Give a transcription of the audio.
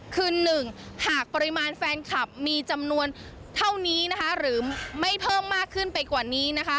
คือหนึ่งหากปริมาณแฟนคลับมีจำนวนเท่านี้นะคะหรือไม่เพิ่มมากขึ้นไปกว่านี้นะคะ